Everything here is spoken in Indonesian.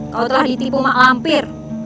kau telah ditipu mak lampir